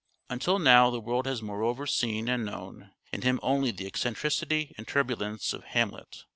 Until now the world has moreover seen and known in him only the eccentricity and turbulence of Hamlet.